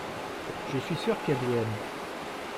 je suis sûr qu'elles aiment.